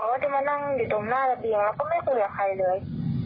ก็จะมานั่งอยู่ตรงหน้าระเบียงแล้วก็ไม่คุยกับใครเลย